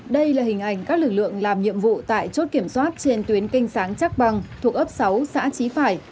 đây là hình ảnh các lực lượng làm nhiệm vụ tại chốt kiểm soát trên tuyến kênh sáng chắc băng thuộc ấp sáu xã chí phải